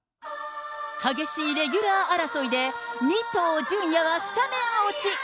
激しいレギュラー争いで、似東純也がスタメン落ち。